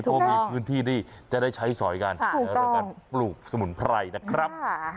เพราะมีพื้นที่ที่จะได้ใช้สอยการปลูกสมุนไพรนะครับ